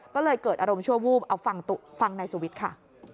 ก็เลยเกิดอารมณ์ชั่ววูบเอาฟังนายสุวิทย์ค่ะ